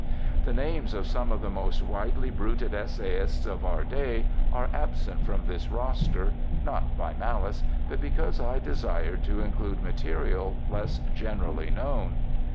The names of some of the most widely bruited essayists of our day are absent from this roster, not by malice, but because I desired to include material less generally known.